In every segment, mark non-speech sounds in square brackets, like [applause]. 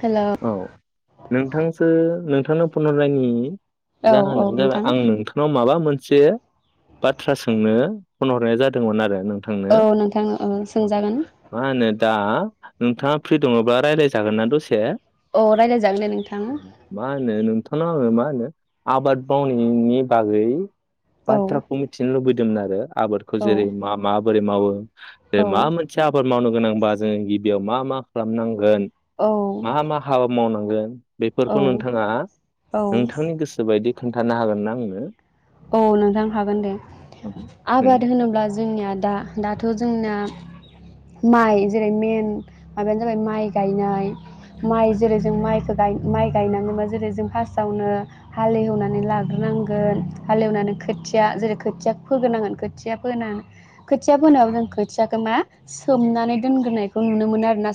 हेल' औ नोंथांसो नों नोंथांनो पनहरनायनि औ औ जाहोनानो जाबाय नोंथां आं नोंथांनाव माबा मोन से बाथ्रा सोंनो फन हरनाय जादोंमोन आरो नों थांनो औ नोंथां ओ औ सोंजागोन मा होनो दा नोंथाङा फ्रि दङबा रायलाय जागोनना दसे। अ रायलायजागोन दे नोंथां। मा [unintelligible] मा होनो आबाद मावनायनि बागै औ बाथ्राखौ मिथिनो लुबै दों आरो आबादखौ औ जेरै- मा माबोरै मावो बे औ मा मोनसेया आबाद मावनो गोनांबा जों गिबियाव मा मा खालामनांगोन औ मा मा हाबा मावनांगोन। औ बेफोरखौ नोंथाङा औ नोंथांनि गोसोबायदि खोन्थानो हागोन ना आंनो? औ नोंथां हागोन दे नों आबाद होनोब्ला जोंनिया दा दाथ' जोंनाया माइ जेरै मेन माबायानो जाबाय माइ गायनाय माइ जेरै जों माइखौ माइ गायनाङोबा जेरै जों फार्स्टआवनो हालेवनानै लाग्रोनांगोन। हालेवनानै खोथिया जेरै खोथिया फोग्रोनांगोन खोथिया फोनानै खोथिया फोनायावो जों खोथियाखौ मा सोमनानै दोनग्रोनायखौ नुनो मोनो आरोना।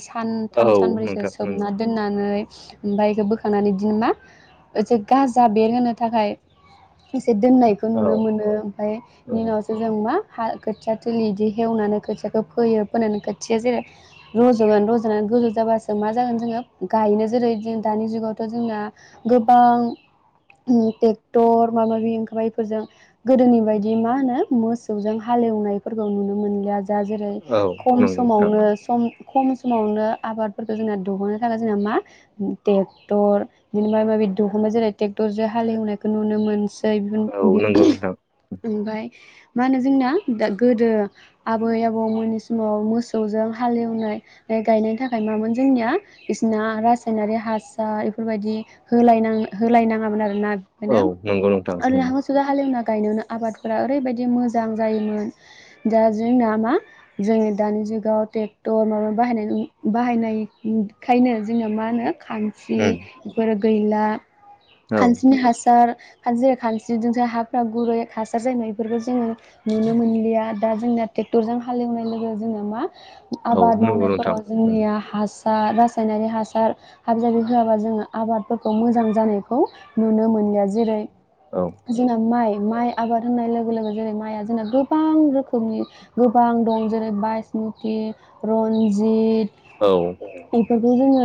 औ सानथाम सानब्रैसो नोंथां नंगौ सोमना दोननानै। ओमफ्राय बेखौ बोखांनानै बिदिनो मा एसे गाजा बेरहोनो थाखाय। एसे दोननायखौ नुनो औ मोनो ओमफ्राय बिनि औ उनावसो जों मा हा खोथिया थिलि बिदि एवनानै खोथियाखौ फोयो फोनानै खोथिया जेरै रज'गोन रज'नानै गोजौ जाबासो मा जागोन जोङो गायनो जेरै दानि जुगावथ' जोंना गोबां टेक्टर माबा माबि ओंखारबाय बेफोरजों गोदोनि बायदि मा होनो मोसौजों हालेवनायफोरखौ नुनो मोनलिया। जा जेरै औ खम नंगौ नोंथां समावनो सम खम समावनो आबादफोरखौ जोंना दुहुननो थाखाय जोंना मा ट्रेक्टर बि माबे माबि दुहुननाय जेरै ट्रेक्टरजों हालेवनायखौ नुनो मोन औ नंगौ नोंथां [unintelligible] ओमफ्राय मा होनो जोंना गोदो आबै आबौमोननि समाव मोसौजों हालेवनाय गायनायनि थाखाय मामोन जोंनिया बिसना रासायनारि हासार बेफोर बायदि होलाय होलायनो नाङामोन आरोना। औ नंगौ नोंथां। [unintelligible] उम जोंना गायनायावनो आबादफोरा ओरैबायदि मोजां जायोमोन दा जोंना मा जोंनि दानि जुगाव ट्रेक्टर माबा बाहायनाय बाहायनायखायनो जोंङो मा होनो खानस्रि उम बेफोर गैला। औ खानस्रिनि हासार जेरै खानस्रिजोंसो हाफ्रा गुरै हासार जानाय बेफोरखौ जोङो नुनो मोनलिया दा जोंना ट्रेक्टरजों हालेवनाय लोगो जोंना मा औ आबाद नंगौ नोंथां मावनायफोराव उम जोंनिया हासा रासायनारि हासार हाबि जाबि होआबा जोङो आबादफोरखौ मोजां जानायखौ नुनो मोनलिया जेरै औ जोंना माइ। माइ आबाद होननाय लोगो लोगो जेरै माइआ जोंना गोबां रोखोमनि गोबां दं जेरै बासमति, रन्जित औ [unintelligible] जोङो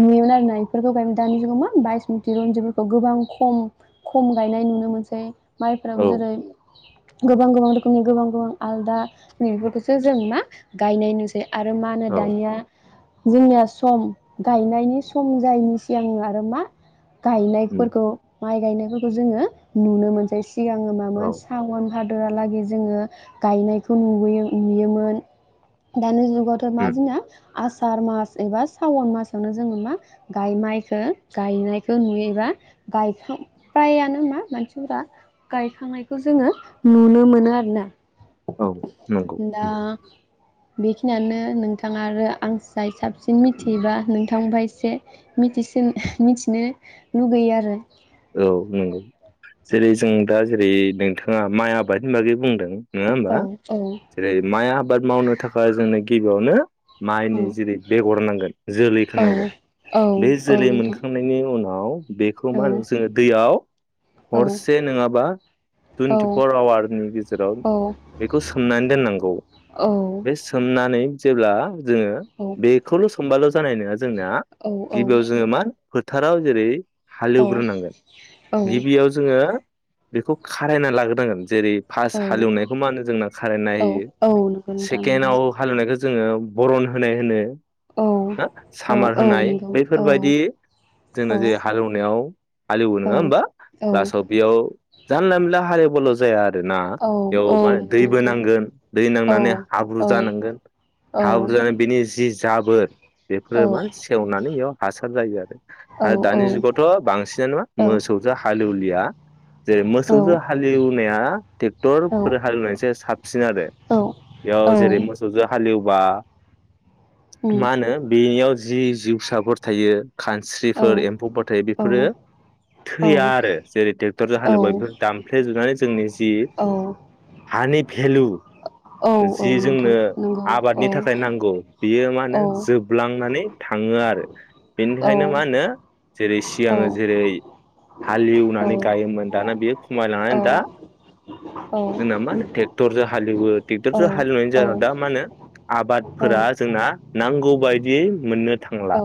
नुयोमोन आरोना बेफोरखौ गायोमोन दानि जुगाव बायसमुत रनजिफोरखौ गोबां खम खम गायनाय नुनो मोनसै। माइफ्रा औ जेरै गोबां गोबां रोखोमनि गोबां गोबां आलदा नैफोरखौसो जों मा गायनाय नुसै। आरो मा होनो औ दानिया जोंनिया सम गायनायनि सम जायैनि सिगां आरो मा उम गायनायफोरखौ माइ गायनो। जोङो नुनो मोनसै। सिगाङो औ मामोन साव भादोरालागै जोङो गायनायखौ नु नुयोमोन दानि जुगाव उम जोंना। आसार मास एबा सावन मासावनो जोंनि मा गायनायखौ गायनाय नुयोबा गायखां प्रायानो मा मानसिफोरा गायखांनायखौ जोङो नुनो मोनो आरो ना। औ नंगौ। बेखिनियानो नोंथाङा आरो आं जाय साबसिन जों मिथियोबा नों थांबा एसे मिथिसिन मिथिनो लुगैयो आरो औ नंगौ जेरै जों दा। जेरै नोंथाङा माइ आबादनि बागै बुंदों। नोङा औ होमबा जेरै माइ आबाद मावनो थाखाय जोंनो गिबावनो माइनि जेरै बेगर नांगोन जोलैखौ औ नांगोन औ बे औ जोलै नोंथां मोनखांनायनि उनाव बेखौ औ माहोन जोङो दैयाव औ हरसे नङाबा टुइन्टिफर आवारनि गेजेराव बेखौ सोमनानै दोननांगौ बे सोमनानै जेब्ला जोङो बेखौल' सोमबाल जनाय नंङा। जोंना औ गिबियाव जोङो मा फोथाराव जेरै औ औ हुग्रो नांगोन औ गिबियाव जोङो बेखौ खारायना लाग्रोनांगोन जेरै औ फास हालेवनायखौ मा होनो जोंना खारायना नायहैयो औ नंगौ नोंथां नंगौ सेकेणडआव हालेवनायखौ जोङो बरन होनाय होनो । औ हो औ सामार औ होनाय नंगौ औ बैफोरबायाददि औ जोंनो जी हालेवनायाव हालेवो औ नङा होमबा औ लालासआव बेयाव जानला मेनला हालेव बोल' जायाद ना औ बेयाव मा होनो नंगौ दैबो नोंथां नांगोन दै औ नांनानै हाब्रु औ जानांगोन औ हाब्रु जानानै बेनि जि जाबोर बेफोरो औ मा सेवनानै इयाव हार खार जायो आरो औ आरो दानि जुगावथ' बांसिन [unintelligible] मोसौजो हालेवलिया जेरै मोसौजो हालेवनाया ट्रेक्टरफोर हालेवनायसो साबसिन आरो औ बेयाव जेरै मोसौजो हालएव बा उम मानो बेनियाव जि जिउसाफोर थायो। औ खानस्रिफोर एम्फौ फोथै औ बेफोरो थैया आरो जेरै टेक्टरजों हालेवबा बेफोरखौ दामफ्लेजोबनानै जोंनि जि औ हानि बेहलु औ जि जोंनो नोंथां नंगौ औ आबादनि थाखाय नांगौ बियो मा औ होनो जोबलांनानै थाङो आरो औ बेनिखायनो मा होनो जेरै औ सिगाङो जेरै हालिवनानै औ गायोमोन दाना बेयो खमायलांनानै दा जोंना मा होनो टेक्टरजों हालेवो टेक्टरजों हालेवनायनि जाहोनाव दा मा होनो आबादफोरा जोंना नांगौ बायदियै मोननो थांला।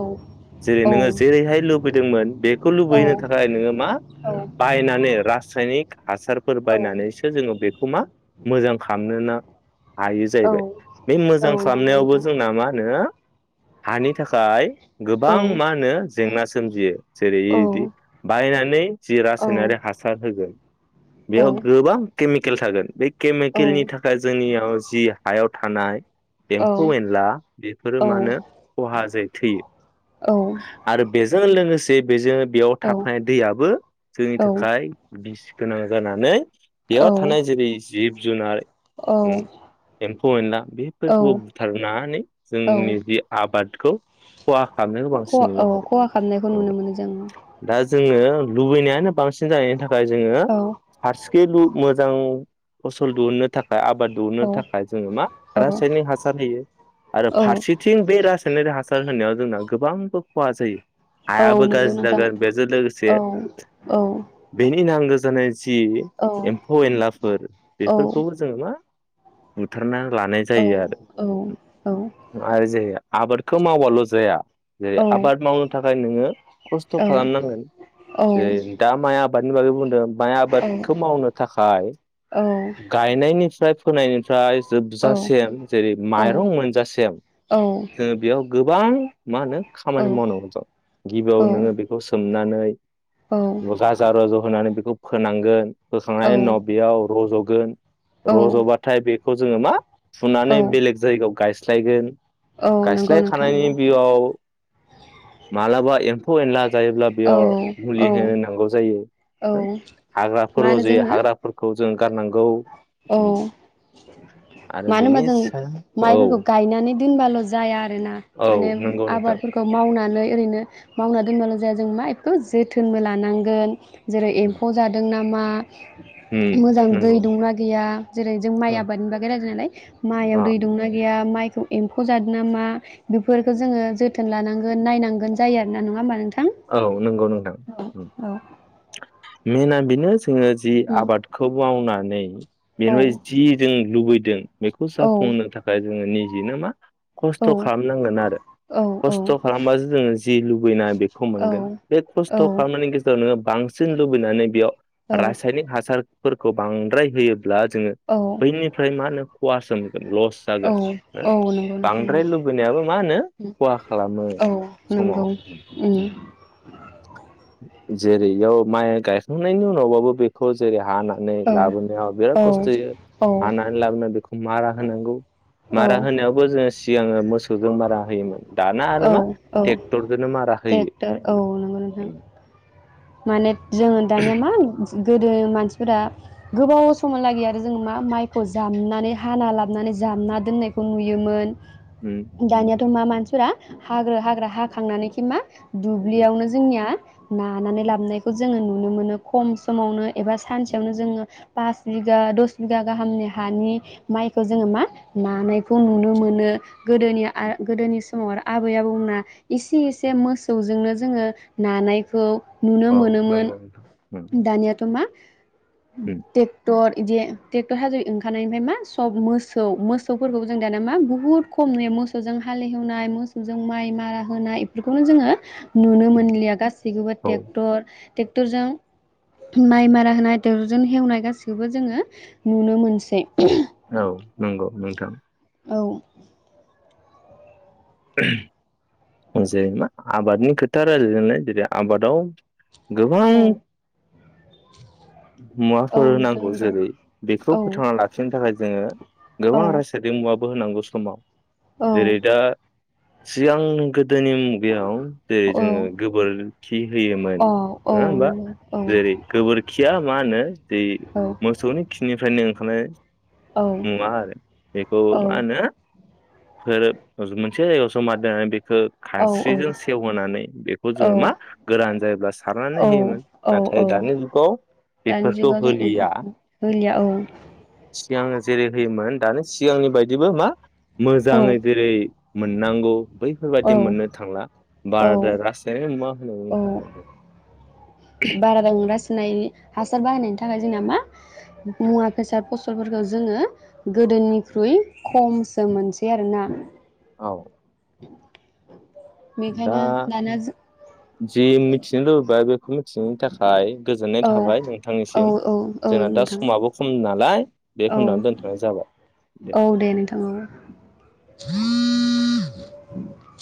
जेरै औ नोङो जेरैहाय लुबैदोंमोन बेखौ औ लुबैहैनो औ थाखाय नोङो मा औ बायनानै रासायनिक हासारफोर बायनानै जोङो बेखौ मा मोजां खामनोना हायो औ जाहैबाय बे औ मोजां नंगौ खालामनायावबो नोंथां जोंना मा होनो हानि थाखाय गोबां मा होनो जेंना सोम सोमजियो जेरै औ इदि बायनानै नै जि रासायनारि हासार होगोन औ बेयाव गोबां केमिकेल थागोन बे औ केमिकेलनि थाखाय जोंनियाव जि हायाव थानाय एम्फौ-एनला बेफोरो औ मा होनो खहा जै थैयो हो आरो बेजों लोगोसे बे-बेजों बेयाव औ थाफानाय दैयाबो जोंनि औ थाखाय बिस गोनां जानानै बेयाव थानाय जेरै जिब-जुनार औ फौ एनला बेफोरखौबो बुथारनानै औ जोंनि जि आबादखौ खहा खालामनायखौ खहा बांसिन औ नुयो खहा खालामनायखौ आरो नुनो औ मोनो जों दा जोङो लुबैनायानो बांसिन जानायनि थाखाय जोङो औ हारसि मोजां फसल दिहुननो थाखाय आबाद औ दुहुननो थाखाय जोङो मा औ रासायनिक हासार होयो आरो औ फारसेथिं बे रासायनिक हासार होनायाव जोंना गोबांबो खहा जायो औ हायाबो नंगौ गाज्रि नोंथां जागोन बेजों लोगोसे औ औ बेनि नांगौ जानाय जि औ एम्फौ एनलाफोर औ बेफोरखौ जोङो मा। बुथारना। लानाय औ जायो औ आरो आरो जाया। आबादखौ मावबाल' जाया। जै आबाद मावनो थाखायनो। [unintelligible] खस्थ' खालामनांगोन जे दा माइ माया [unintelligible] माइ आबाद। मावनो थाखाय गायनायनि। ओमफ्राय फोनायनिफ्राय। जोबजासिम जेरै माइरं मोनजासेयाव जोङो बेयाव गो [unintelligible] मा होनो खामानि मावनांगौ दं औ गिबियाव नोङो बेखौ सोम नानै। औ औ गाजा रज' होनानै बेखौ। फोनांगोन। औ फोखांनायनि उनाव बियाव रज'। गोन। औ र'ज'बा थाय बे खौ जोङो मा। औ फुनानै बेलेग जायगायाव गायस। स्लायगोन। औ नंगौ नोंथां औ गायस्लायखानायनि बिआव मालाबा एम्फौ एनला जायोब्ला औ बेयाव औ मुलि होनो नांगौ जायो औ हाग्रा। मा होनो र'जयो जोङो हाग्राफोरखौ। जों औ उम आरो मानो होनबा बेनि जों सायाव औ माइफोरखौ गायनानै दोनबाल' जाया आरोना औ माने नंगौ नोंथां आबादफोरखौ मावनानै। ओरैनो मावना दोनबाल' जाया जों मा एखौ जोथोनबो लानांगोन। जेरै उम एम्फौ जादों नामा उम नोंंगौ। मा गोया जेरै जों माइ आबादनि बागै रायलायदोंनालाय माइआव अ दै दंना गैया माइखौ एम्फौ जादों ना मा बेफोरखौ जोङो जोथोन लानांगोन नायनांगोन जायो आरो ना नङा होम्बा नोंथां औ नंगौ नोंथां उम औ औ मेना बिनो जोङो जि औ नंगौ आबादखौ मावनानै [unintelligible] बेवहाय जि जों लुबै दों बेखौ जाफंनो थाखाय जोङो निजिनो मा खस्थ' खालामनांगोन आरो खस्थ' खालामबासो जोङो जि लुबैनाय बेखौ मोनगोन बे खस्थ' खालामनायनि गेजेराव नोङो बां सिन लुबैनानै बेयाव रासायनिक हासार फोरखौ बांद्राय होयो ब्ला जोङो बैनिफ्राय मा होनो ख'हासो लस जागोन ओ नोंथां बांद्राय लुबैनायाबो मा होनो खहा खालामो औ समाव नंगौ । जेरै इयाव माइ गायखांनायनि उनावबाबो बेखौ जेरै हाना नै औ लाबोनायाव बिराद औ खस्थ' होयो, हानानै लाबोना बेखौ मारा होनांगौ औ मारा होनायावबो जोङो सिगाङो मोसौजों मारा होयोमोन दाना आरो औ मा औ ट्रेक्टरजोंनो मारा होयो टेक्टर औ नंगौ नोंथां उम माने जोङो दानिया मा [unintelligible] गोदो मानसिफोरा गोबाव समलागै आरो जोंङो मा माइखौ जामनानै हाना लाबानै जामना दोननायखौ नुयोमोन। उम दानिया दम मा मानसिफोरा हाग्रा हाग्रा हाखांनानैखि मा उम दुब्लियावनो जोंनिया हानानै लाबोनायखौ जोङो नुनो मोनो खम समावनो एबा सानसेयावनो जोङो पास बिगा दस बिगा गाहामनि हानि माइखौ जोङो मा नानायखौ नुनो मोनो गोदोनि आ गोदोनिसो औ आरो आबै आबौना इसे इसे उम मोसौजोंनो जोङो नानायखौ नुनो औ मोनोमोन नंगौ नोंथां उम दानियाथ' मा उम टेक्टर बिदि टेक्टर हाजो ओंखारनायनिफ्राय मा सब मोसौ मोसौफोरखौ जों दाना मा बुहुत खम नुयो मोसौजों हालहेवनाय मोसौजों माइ मारा होनाय इफोरखौनो जोंङो नुनो उम मोनलिया गासैगोबो औ टेक्टर टेक्टरजों माइ मारा होनाय टेक्टरजोंनो हेवनाय गासिखौबो जोंङो नुनो मोनसै। औ नंगौ नोंथां औ जे मा आबादनि खोथा रालायदोनालाय जेरै आबादाव गोबां औ औ मुवाफोर नोंथां नांगौ नंगौ जोरै बेखौ औ फोथांना लाखिनो थाखाय जोंङो औ गोबां रासायनिक मुवाफो बो होनांगौ समाव। औ अ जेरै दा सिगां गोद दोनि मुगायाव जेरै जोङो गोबोरखि होयोमोन औ नोङा होमबा? औ जेरै गोबोरखिया मा होनो? बे मोसौनि खिनिफ्रायनो खानाय औ नुवा आरो बेखौ मा होनो? फोर हजाना [unintelligible] हो खानस्रिजों सेवहोनानै बेखौ जोङो मा गोरान जायोब्ला सारनानै औ होयोमोन औ नाथाय औ दानि जुगाव दानि बेफोरखौ जुगाव होलिया। जों होलिया औ सिगां जेरै होयोमोन दानि सिगांनि बायदिबो मा? औ मोजाङै जेरै मोननांगौ औ बैफोरबायदि मोननो थांला औ बाराद्राय रासायनि मुवा होनायनि थाखायबो। बारा दं रास नाय हासार बाहायनायनि थाखाय जोंना मा मुवा बेसाद फसलफोरखौ जोंङो गोदोनिख्रुइ खमसो मोनसै आरोना। औ । बेखायनो दाना जो जि मिथिनो लुबैबाय गो खो मिथिनायनि थाखाय गोजोननाय औ थाबाय औ नोंथांनिसिम औ औ जोंना दा नोंथां समाबो खम नालाय औ बेखन्द'आवनो दोनथ'नाय जाबाय दे। औ नोंथां औ [inaudible]